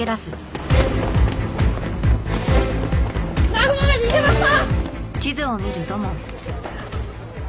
南雲が逃げました！